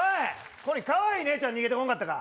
ここにカワイイ姉ちゃん逃げてこんかったか？